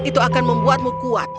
itu akan membuatmu kuat